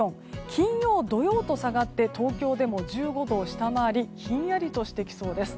金曜、土曜と下がって東京でも１５度を下回りひんやりとしてきそうです。